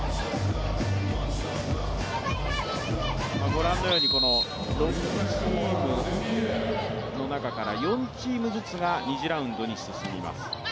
ご覧のように６チームの中から４チームずつが２次ラウンドに進みます。